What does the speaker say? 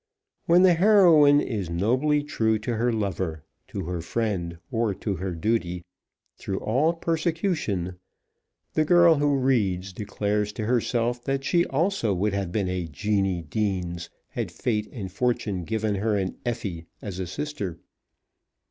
When the heroine is nobly true to her lover, to her friend, or to her duty, through all persecution, the girl who reads declares to herself that she also would have been a Jeannie Deans had Fate and Fortune given her an Effie as a sister.